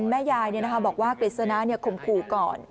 แม่ยายเนี่ยนะคะบอกว่ากฤษณะเนี่ยขมขู่ก่อน